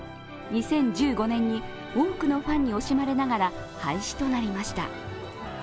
２０１５年に多くのファンに惜しまれながら廃止となりました。